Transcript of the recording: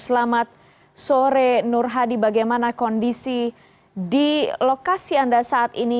selamat sore nur hadi bagaimana kondisi di lokasi anda saat ini